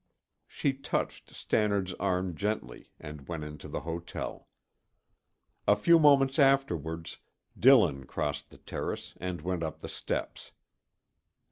She touched Stannard's arm gently and went into the hotel. A few moments afterwards, Dillon crossed the terrace and went up the steps.